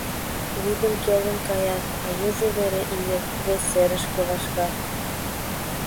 Вӱдым келын каят, а южо вере ийыт, вес серышке вашкат.